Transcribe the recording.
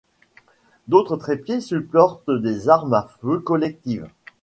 D'autres trépieds supportent des armes à feu collectives.